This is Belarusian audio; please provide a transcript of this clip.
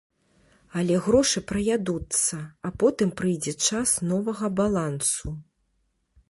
Але грошы праядуцца, а потым прыйдзе час новага балансу.